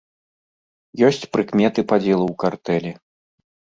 Ёсць прыкметы падзелу ў картэлі.